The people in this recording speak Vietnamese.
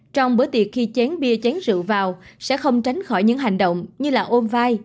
trong bữa tiệc khi chén bia chén rượu vào sẽ không tránh khỏi những hành động như là ôm vai